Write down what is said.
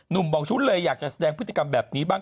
บางชุดเลยอยากจะแสดงพฤติกรรมแบบนี้บ้าง